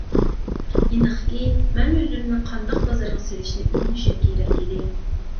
ئېنىقكى، مەن ئۆزۈمنى قانداق بازارغا سېلىشنى ئۆگىنىشىم كېرەك ئىدى.